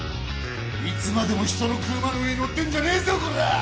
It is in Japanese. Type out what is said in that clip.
いつまでも人の車の上に乗ってんじゃねえぞこらぁ！